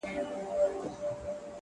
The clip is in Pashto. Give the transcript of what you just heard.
زما د تصور لاس گراني ستا پر ځــنگانـه ـ